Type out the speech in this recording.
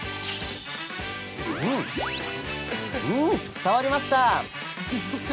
伝わりました！